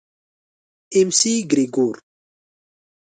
اېم سي ګرېګور.